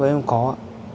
với em có ạ